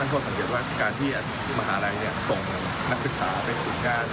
สินค้างว่าดังเดียวว่าที่มหาลัยที่จะส่งนักศึกษาก็เป็นวิทยาการ